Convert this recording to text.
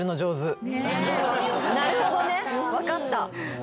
なるほどね分かった。